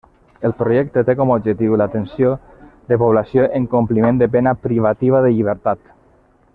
El projecte té com a objectiu l'atenció de població en compliment de pena privativa de llibertat.